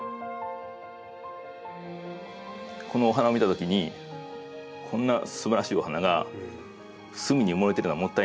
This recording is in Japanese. このお花を見たときにこんなすばらしいお花が隅に埋もれてるのはもったいないと。